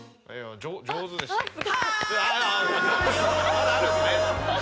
まだあるんすね。